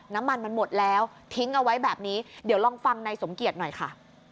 น้ำมันมันหมดแล้วทิ้งเอาไว้แบบนี้เดี๋ยวลองฟังนายสมเกียจหน่อยค่ะ